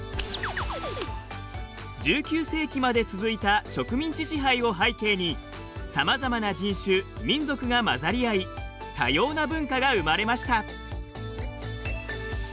１９世紀まで続いた植民地支配を背景にさまざまな人種・民族が混ざりあい多様な文化が生まれました。